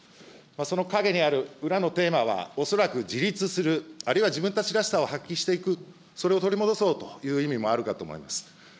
その陰にある裏のテーマは、恐らく自立する、あるいは自分たちらしさを発揮していく、それを取り戻そうという意味もあるかと思います。